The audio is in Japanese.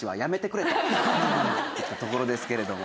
ところですけれども。